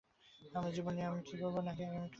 আমার জীবন নিয়ে আমি কী করব - নাকি আগামীকাল আমি কী করব?